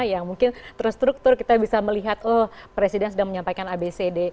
yang mungkin terstruktur kita bisa melihat oh presiden sedang menyampaikan abcd